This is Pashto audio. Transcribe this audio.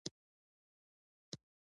زه په موسمونو کې د اوړي موسم خوښوم.